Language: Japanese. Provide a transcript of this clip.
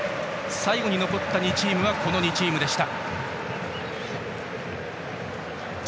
最後に残った２チームがこの２チームでした。